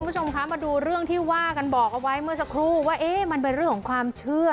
คุณผู้ชมคะมาดูเรื่องที่ว่ากันบอกเอาไว้เมื่อสักครู่ว่าเอ๊ะมันเป็นเรื่องของความเชื่อ